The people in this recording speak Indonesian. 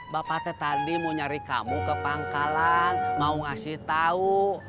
bapak teh tadi mau nyari kamu ke pangkalan mau ngasih tau